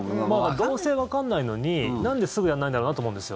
どうせわかんないのになんですぐやんないんだろうなと思うんですよ。